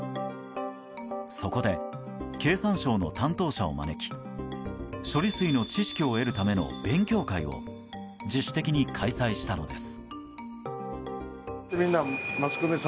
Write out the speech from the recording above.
そこで経産省の担当者を招き処理水の知識を得るための勉強会を自主的に開催したのです。